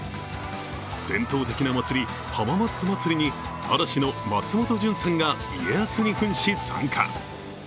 伝統的な祭り、浜松まつりに嵐の松本潤さんが家康に扮し参加。